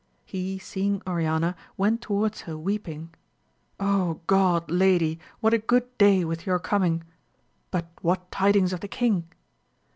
He seeing Oriana went towards her weep ing : Oh God, lady, what a good day with your coming ? but what tidings of the king